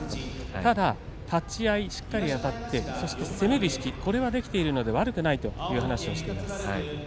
ただ立ち合いしっかりあたってそして攻める意識はできているので悪くないと話しています。